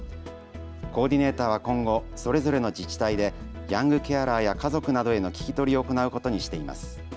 コーディネーターは今後、それぞれの自治体でヤングケアラーや家族などへの聞き取りを行うことにしています。